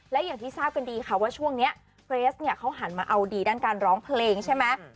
และอย่างที่ทราบกันดีค่ะว่าช่วงนี้เกรสเนี่ยเขาหันมาเอาดีด้านการร้องเพลงใช่ไหม